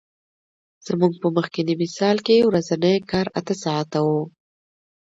زموږ په مخکیني مثال کې ورځنی کار اته ساعته وو